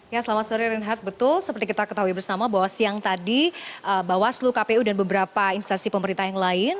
ya selamat sore reinhardt betul seperti kita ketahui bersama bahwa siang tadi bawaslu kpu dan beberapa instansi pemerintah yang lain